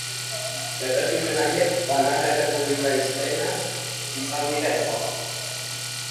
Erregimen haiek banana errepublika izenaz izan dira ezagunak.